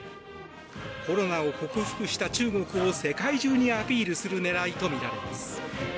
コロナを克服した中国を世界中にアピールする狙いとみられます。